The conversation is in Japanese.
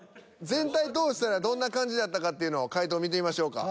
全体通したらどんな感じだったかっていうのを回答見てみましょうか。